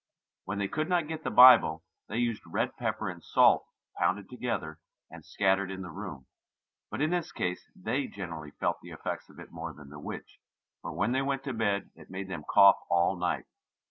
When they could not get the Bible they used red pepper and salt pounded together and scattered in the room, but in this case they generally felt the effects of it more than the witch, for when they went to bed it made them cough all night.